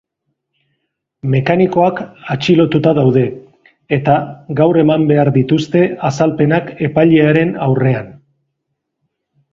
Mekanikoak atxilotuta daude, eta gaur eman behar dituzte azalpenak epailearen aurrean.